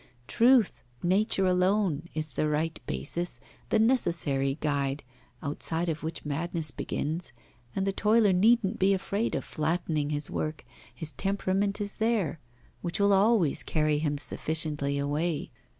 Truth, nature alone, is the right basis, the necessary guide, outside of which madness begins; and the toiler needn't be afraid of flattening his work, his temperament is there, which will always carry him sufficiently away.